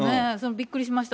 びっくりしました。